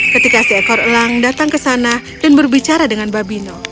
ketika seekor elang datang ke sana dan berbicara dengan babino